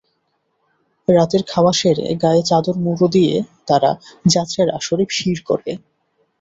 রাতের খাওয়া সেরে, গায়ে চাদর মুড়ো দিয়ে তারা যাত্রার আসরে ভিড় করে।